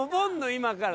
今から。